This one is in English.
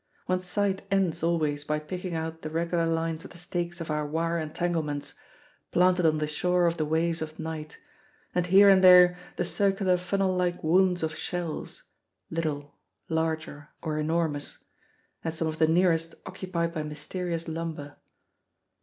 One's sight ends always by picking out the regular lines of the stakes of our wire entanglements, planted on the shore of the waves of night, and here and there the circular funnel like wounds of shells, little, larger, or enormous, and some of the nearest occupied by mysterious lumber.